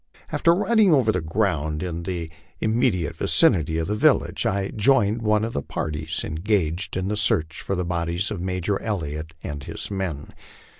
After riding over the ground in the immediate vicinity of the village, 1 joined one of the parties engaged in the search for the bodies of Major Elliott and his men.